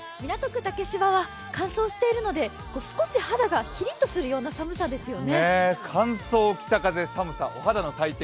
竹芝は乾燥しているので少し肌がヒリッとするような寒さですよね。